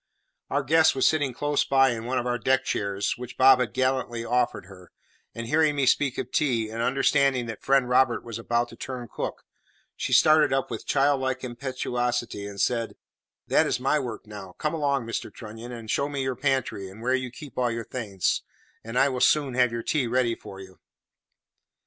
Our guest was sitting close by in one of our deck chairs, which Bob had gallantly offered her, and hearing me speak of tea, and understanding that friend Robert was about to turn cook, she started up with child like impetuosity and said, "That is my work now; come along, Mr Trunnion, and show me your pantry, and where you keep all your things, and I will soon have your tea ready for you."